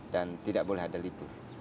dan tidak boleh ada libur